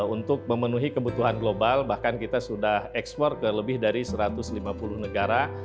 untuk memenuhi kebutuhan global bahkan kita sudah ekspor ke lebih dari satu ratus lima puluh negara